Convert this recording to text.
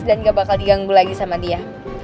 dan gak bakal diganggu lagi sama dia